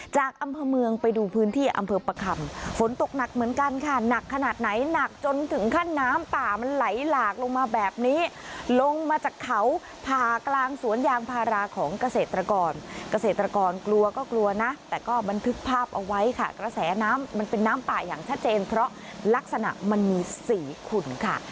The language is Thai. จากอำเภอเมืองไปดูพื้นที่อำเภอประคำฝนตกหนักเหมือนกันค่ะหนักขนาดไหนหนักจนถึงขั้นน้ำป่ามันไหลหลากลงมาแบบนี้ลงมาจากเขาผ่ากลางสวนยางพาราของเกษตรกรเกษตรกรกลัวก็กลัวนะแต่ก็บันทึกภาพเอาไว้ค่ะกระแสน้ำมันเป็นน้ำป่าอย่างชัดเจนเพราะลักษณะมันมีสีขุ่นค่ะ